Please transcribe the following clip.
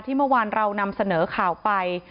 เมื่อวานเรานำเสนอข่าวไป